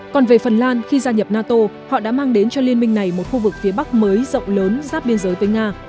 còn về phần lan khi gia nhập nato họ đã mang đến cho liên minh này một khu vực phía bắc mới rộng lớn giáp biên giới với nga